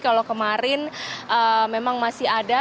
kalau kemarin memang masih ada